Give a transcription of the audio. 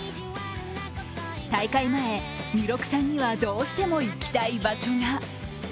大会前、弥勒さんにはどうしても行きたい場所が。